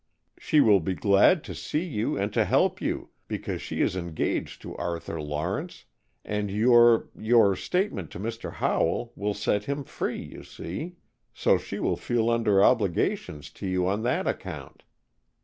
She will be glad to see you and to help you, because she is engaged to Arthur Lawrence, and your your statement to Mr. Howell will set him free, you see, so she will feel under obligations to you on that account.